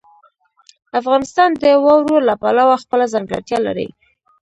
افغانستان د واورو له پلوه خپله ځانګړتیا لري.